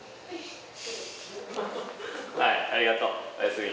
はいありがとう。おやすみ。